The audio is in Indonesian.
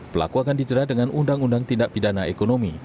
pelaku akan dijerat dengan undang undang tindak pidana ekonomi